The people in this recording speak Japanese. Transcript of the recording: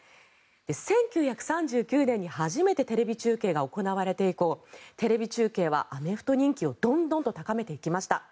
１９３９年に初めてテレビ中継が行われて以降テレビ中継はアメフト人気をどんどん高めていきました。